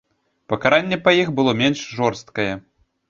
Пакаранне па іх было менш жорсткае.